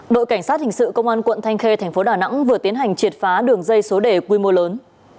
đội cảnh sát hình sự công an quận thanh khê tp đà nẵng vừa tiến hành triệt phá đường dây số đề quy mô lớn